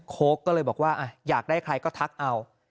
โค้กก็เลยบอกว่าอยากได้ใครก็ทักเอา